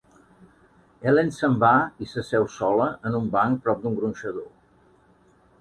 Helen se'n va i s'asseu sola en un banc prop d'un gronxador.